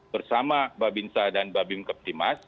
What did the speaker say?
bersama babinsa dan babin keptimas